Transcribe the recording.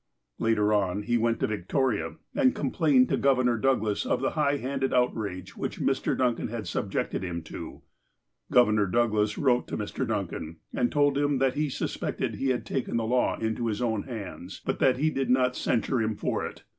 Later on, he went to Victoria, and complained to Governor Douglas of the high handed outrage which Mr. Duncan had subjected him to. Governor Douglas wrote to Mr. Duncan, and told him that he suspected he had taken the law into his own hands, but that he did not censure him for it.